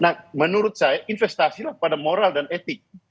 nah menurut saya investasilah pada moral dan etik